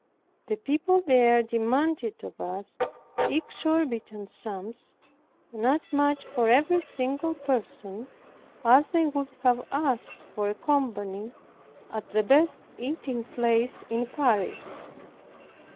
The people there demanded of us exorbitant sums, and as much for every single person as they would have asked for a company at the best eating place in Paris.